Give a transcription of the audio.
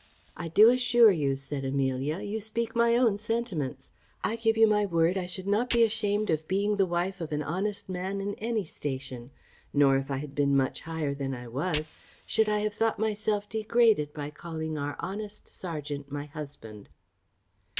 "I do assure you," said Amelia, "you speak my own sentiments. I give you my word, I should not be ashamed of being the wife of an honest man in any station. Nor if I had been much higher than I was, should I have thought myself degraded by calling our honest serjeant my husband."